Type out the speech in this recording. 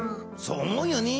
そう思うよね。